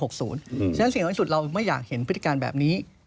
ฉะนั้นสิ่งสำคัญที่ด้านสุดเราไม่อยากเห็นพิธิการแบบนี้